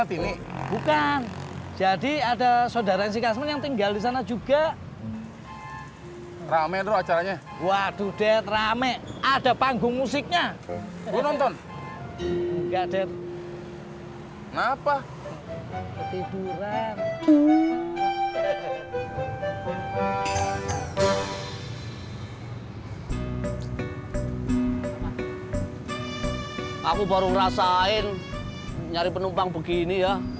aku baru ngerasain nyari penumpang begini ya